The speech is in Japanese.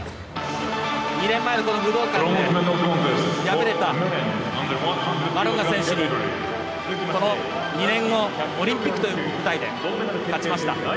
２年前の武道館で敗れたマロンガ選手にその２年後、オリンピックという舞台で勝ちました。